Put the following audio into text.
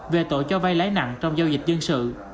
về tội cho vay lãi nặng trong giao dịch dân sự